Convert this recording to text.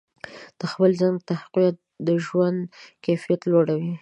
د خپل ذهن تقویت د ژوند کیفیت لوړوي.